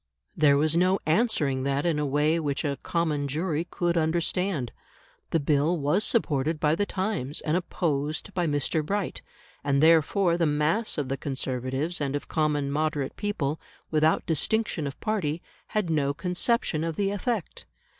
There was no answering that in a way which a "common jury" could understand. The Bill was supported by the Times and opposed by Mr. Bright; and therefore the mass of the Conservatives and of common moderate people, without distinction of party, had no conception of the effect.